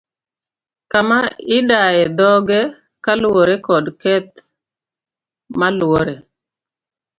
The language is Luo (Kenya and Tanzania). Kama idaye dhoge kaluwore kod keth maluore.